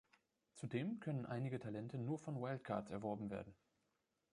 Zudem können einige Talente nur von Wildcards erworben werden.